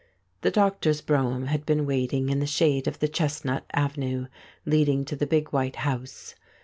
The doctor's brougham had been waiting in the shade of the chestnut avenue leading to the big white house.